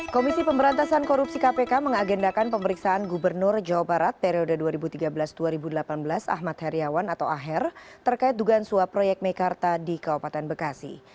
komisi pemberantasan korupsi kpk mengagendakan pemeriksaan gubernur jawa barat periode dua ribu tiga belas dua ribu delapan belas ahmad heriawan atau aher terkait dugaan suap proyek mekarta di kabupaten bekasi